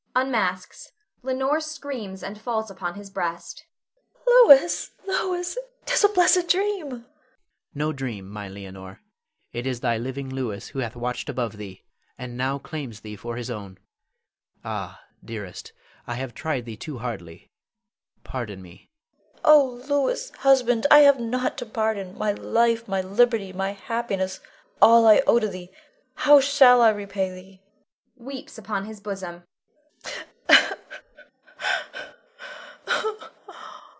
[Unmasks. Leonore screams and falls upon his breast. Leonore. Louis, Louis! 'Tis a blessed dream! Louis. No dream, my Leonore; it is thy living Louis who hath watched above thee, and now claims thee for his own. Ah, dearest, I have tried thee too hardly, pardon me! Leonore. Oh, Louis, husband, I have nought to pardon; my life, my liberty, my happiness, all, all, I owe to thee. How shall I repay thee? [_Weeps upon his bosom.